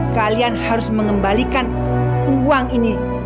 kalian harus mengembalikan uang ini